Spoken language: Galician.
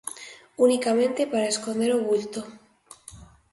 Unicamente para esconder o vulto.